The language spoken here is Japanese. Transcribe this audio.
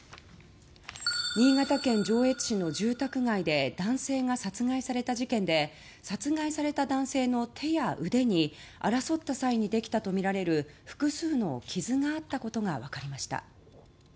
新潟県上越市の住宅街で男性が殺害された事件で殺害された男性の手や腕に争った際にできたとみられる複数の傷があったことが分かりました。